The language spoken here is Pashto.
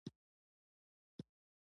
اقتصاد د خلکو د ژوند پر کیفیت اغېز کوي.